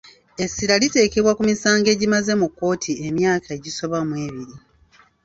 Essira liteekebbwa ku misango egimaze mu kkooti emyaka egisoba mu ebiri.